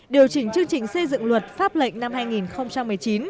điều chỉnh chương trình xây dựng luật pháp lệnh năm hai nghìn một mươi chín